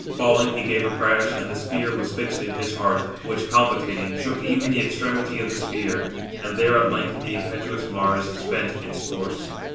Falling, he gave a crash, and the spear was fixed in his heart, which, palpitating, shook even the extremity of the spear; and there at length the impetuous Mars 430 spent its force.